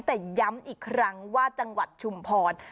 แต่ย้ำอีกครั้งว่าจังหวัดชุมพร